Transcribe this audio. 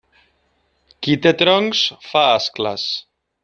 Qui té troncs, fa ascles.